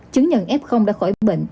chứng nhận f đã khỏi bệnh